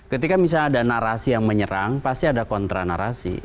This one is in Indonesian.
ketika misalnya ada narasi yang menyerang pasti ada kontra narasi